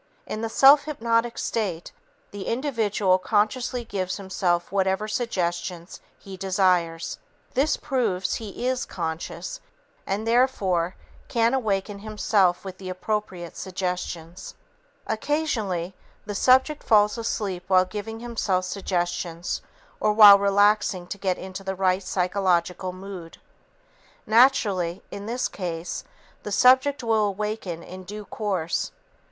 In the self hypnotic state, the individual consciously gives himself whatever suggestions he desires. This proves he is conscious and, therefore, can awaken himself with the appropriate suggestions. Occasionally, the subject falls asleep while giving himself suggestions or while relaxing to get into the right psychological mood. Naturally, in this case, the subject will awaken in due course.